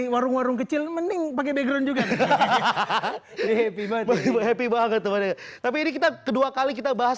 warung warung kecil mending pakai background juga hahaha tapi kita kedua kali kita bahas